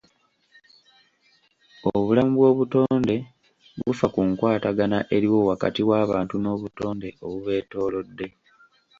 Obulamu bw'obutonde bufa ku nkwatagana eriwo wakati w'abantu n'obutonde obubeetoolodde.